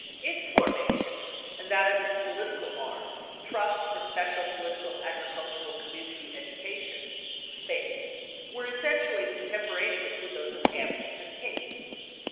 Its formation and that of its political arm, Trust for Special Political Agricultural Community Education (SPACE), were essentially con temporaneous with those of AMPI and TAPE.